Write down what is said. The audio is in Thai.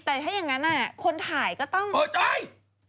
แต่ถ้าอย่างนั้นคนถ่ายก็ต้องเข้าใจ